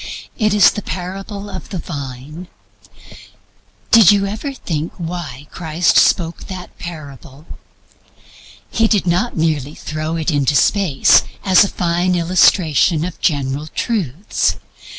It is the parable of the Vine. Did you ever think why Christ spoke that parable? He did not merely throw it into space as a fine illustration of general truths.